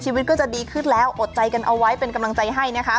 ชีวิตก็จะดีขึ้นแล้วอดใจกันเอาไว้เป็นกำลังใจให้นะคะ